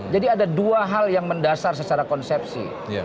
jadi ada dua hal yang mendasar secara konsepsi